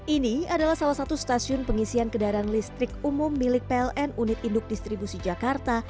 ini adalah salah satu stasiun pengisian kendaraan listrik umum milik pln uid jakarta